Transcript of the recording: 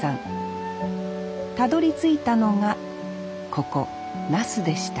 たどりついたのがここ那須でした